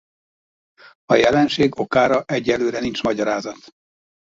A jelenség okára egyelőre nincs magyarázat.